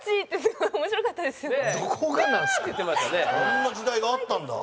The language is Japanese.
あんな時代があったんだ。